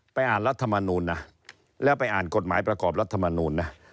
อ่านรัฐมนูลนะแล้วไปอ่านกฎหมายประกอบรัฐมนูลนะ